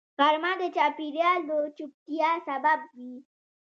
غرمه د چاپېریال د چوپتیا سبب وي